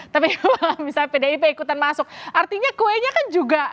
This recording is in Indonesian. tapi kalau misalnya pdip ikutan maksudnya itu bisa dijawab